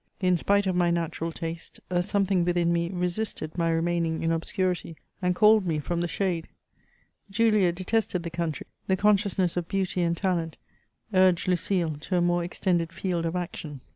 In spite of my natural taste, a something within me resisted my remaining in obscurity, and called me from the shade. Julia detested the country ; the consciousness of beauty and talent urged Lucile to a more extended field of action.